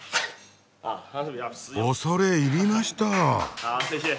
恐れ入りました。